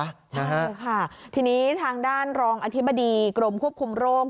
ใช่ค่ะทีนี้ทางด้านรองอธิบดีกรมควบคุมโรค